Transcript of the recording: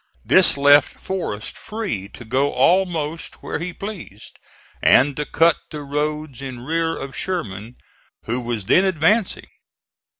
This left Forrest free to go almost where he pleased, and to cut the roads in rear of Sherman who was then advancing.